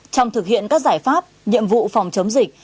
trong thực hiện các giải pháp nhiệm vụ phòng chống dịch